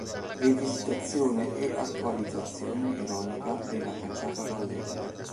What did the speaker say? Rivisitazione e attualizzazione ironica della cacciata dall’Eden.